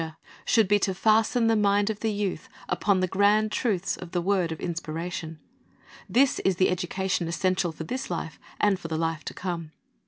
30 : 5, 6 42 C hri s t' s Object Lessons should be to fasten the mind of the youth upon the L,n and truths of the word of Inspiration. This is the education essential for this life and for the life to come.